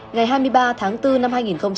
ngày hai mươi ba tháng bốn năm hai nghìn một mươi bốn